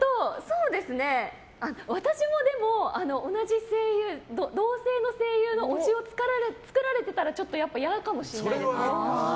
私も、同じ声優同性の声優の推しを作られてたらちょっと嫌かもしれないです。